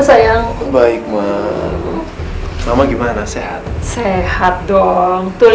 saya akan pergi dulu